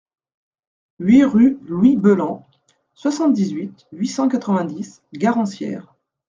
huit rue Louis Bellan, soixante-dix-huit, huit cent quatre-vingt-dix, Garancières